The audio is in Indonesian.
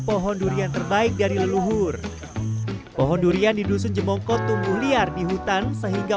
pohon durian terbaik dari leluhur pohon durian di dusun jemongko tumbuh liar di hutan sehingga